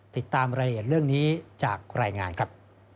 ติดตามรายละเอียดเรื่องนี้จากรายงานครับ